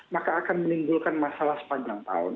maka akan menimbulkan masalah sepanjang tahun